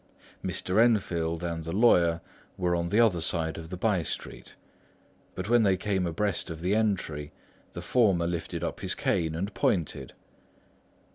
Mr. Enfield and the lawyer were on the other side of the by street; but when they came abreast of the entry, the former lifted up his cane and pointed.